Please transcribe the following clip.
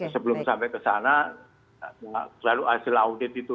sebelum sampai ke sana lalu hasil audit itu